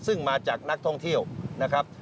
ซึ่งมาจากนักท่องเที่ยวนะครับ